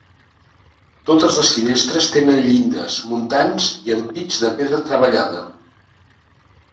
Totes les finestres tenen llindes, muntants i ampits de pedra treballada.